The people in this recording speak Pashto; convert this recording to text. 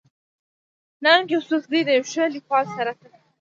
ننګ يوسفزۍ د يو ښه ليکوال سره سره